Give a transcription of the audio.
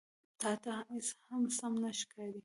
_تاته هېڅ هم سم نه ښکاري.